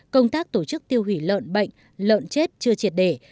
công tác tổ chức tiêu hủy lợn bệnh lợn chết chưa triệt để